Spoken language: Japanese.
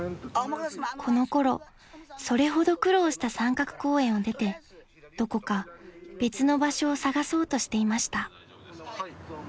［この頃それほど苦労した三角公園を出てどこか別の場所を探そうとしていました］